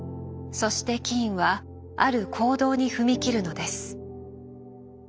そしてキーンはある行動に踏みきるのです。